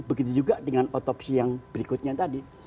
begitu juga dengan otopsi yang berikutnya tadi